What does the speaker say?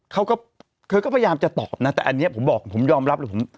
เขาก็เธอก็พยายามจะตอบนะแต่อันนี้ผมบอกผมยอมรับเลยผม